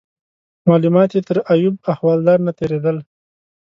معلومات یې تر ایوب احوالدار نه تیرېدل.